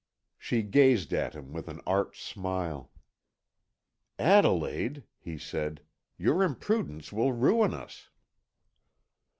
She gazed at him with an arch smile. "Adelaide," he said, "your imprudence will ruin us."